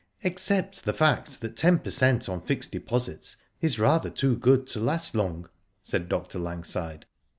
"Except the fact that ten per cent, on fixed deposits is rather too good to last long," said Dr. Langside.